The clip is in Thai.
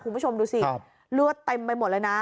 คุณผู้ชมดูสิเลือดเต็มไปหมดเลยนะ